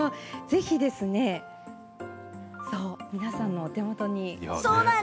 ぜひ皆さんのお手元に。